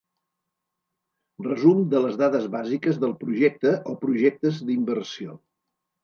Resum de les dades bàsiques del projecte o projectes d'inversió.